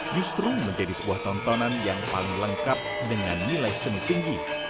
justru menjadi sebuah tontonan yang paling lengkap dengan nilai seni tinggi